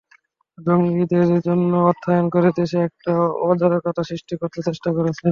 জঙ্গিদের জন্য অর্থায়ন করে দেশে একটা অরাজকতা সৃষ্টি করার চেষ্টা করছেন।